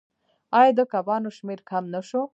آیا د کبانو شمیر کم نشو؟